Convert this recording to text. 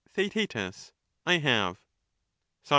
TheaeL I have. Soc.